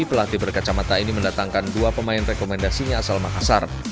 pelatih berkacamata ini mendatangkan dua pemain rekomendasinya asal makassar